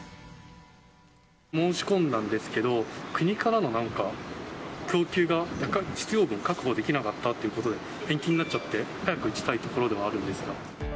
申し込んだんですけど、国からのなんか供給が、必要分確保できなかったということで、延期になっちゃって、早く打ちたいところではあるんですが。